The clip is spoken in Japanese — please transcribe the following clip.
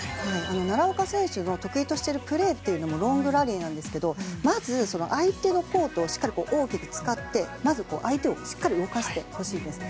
奈良岡選手の得意としているプレーというのもロングラリーなんですけどまず相手のコートをしっかり大きく使ってまず相手をしっかり動かしてほしいですね。